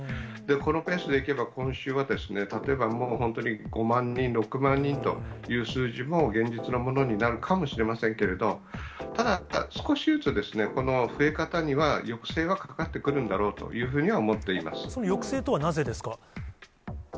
このペースで行けば、今週はですね、例えばもう本当に５万人、６万人という数字も、現実のものになるかもしれませんけど、ただ少しずつこの増え方には抑制がかかってくるんだろうというふその抑制とはなぜですか？